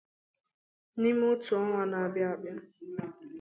n'ime otu ọnwa na-abịa abịa.